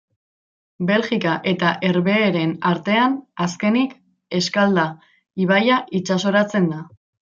Belgika eta Herbehereen artean, azkenik, Eskalda ibaia itsasoratzen da.